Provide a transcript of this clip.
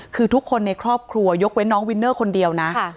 คือทุกคนในครอบครัวยกเว้นน้องวินเนอร์คนเดียวนะ